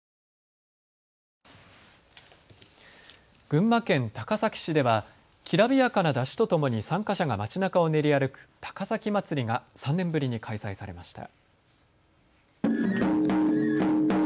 群馬県高崎市ではきらびやかな山車とともに参加者が街なかを練り歩く高崎まつりが３年ぶりに開催されました。